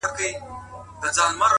پيل كي وړه كيسه وه غـم نه وو!!